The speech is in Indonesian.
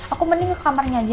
aku mending ke kamarnya aja ya